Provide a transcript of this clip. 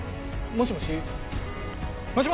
もしもし！